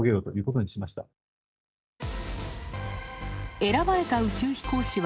選ばれた宇宙飛行士は、